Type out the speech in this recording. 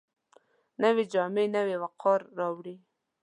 نوې جامې نوی وقار راوړي